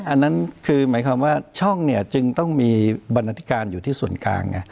อันนั้นคือหมายความว่าช่องเนี่ยจึงต้องมีบรรณาธิการอยู่ที่ส่วนกลาง